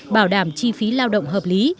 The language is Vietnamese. bảo đảm chi phí lao động hợp lý